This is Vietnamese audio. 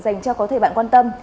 dành cho có thể bạn quan tâm